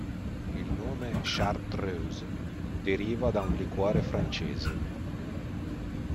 Il nome "chartreuse", deriva da un liquore francese.